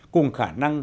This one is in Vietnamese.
cùng khả năng